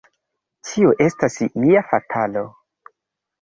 Tio estas ia fatalo!